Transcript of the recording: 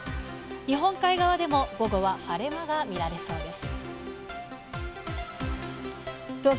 日本海側でも午後は晴れ間が見られそうです。